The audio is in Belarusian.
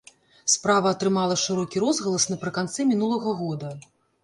Справа атрымала шырокі розгалас напрыканцы мінулага года.